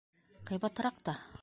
Ҡыйбатыраҡ та.